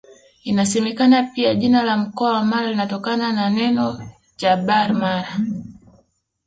Inasemekana pia jina la mkoa wa Mara linatokana na neno Jabar Mara